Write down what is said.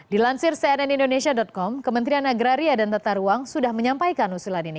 dilansir cnn indonesia com kementerian agraria dan tata ruang sudah menyampaikan usulan ini